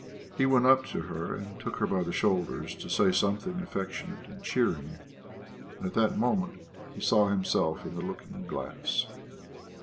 He went up to her and took her by the shoulders to say something affectionate and cheering, and at that moment he saw himself in the looking glass.